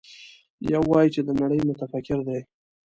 يو وايي چې د نړۍ متفکر دی.